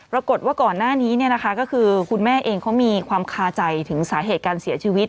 ปรากฏว่าก่อนหน้านี้ก็คือคุณแม่เองเขามีความคาใจถึงสาเหตุการเสียชีวิต